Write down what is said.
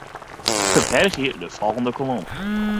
Ferbergje de folgjende kolom.